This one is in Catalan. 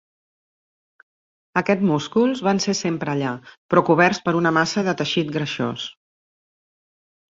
Aquest músculs van ser sempre allà, però coberts per una massa de teixit greixós.